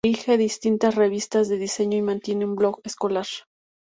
Dirige distintas revistas de diseño y mantiene un blog escolar.